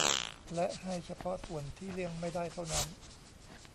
และให้เฉพาะส่วนที่เลี่ยงไม่ได้เท่านั้น